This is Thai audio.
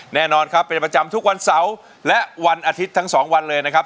แน่นอนครับเป็นประจำทุกวันเสาร์และวันอาทิตย์ทั้งสองวันเลยนะครับ